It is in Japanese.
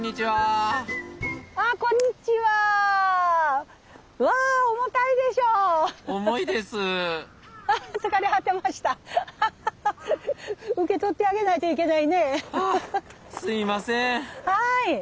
はい。